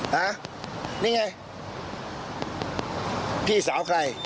ฮะนี่ไงพี่สาวใคร